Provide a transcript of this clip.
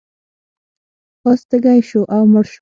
اس تږی شو او مړ شو.